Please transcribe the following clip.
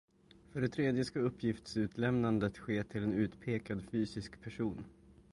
För det tredje ska uppgiftsutlämnandet ske till en utpekad fysisk person.